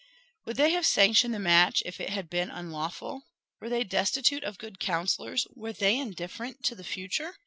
Would they have sanctioned the match if it had been unlawful? Were they destitute of good counsellors? Were they indifferent to the future?"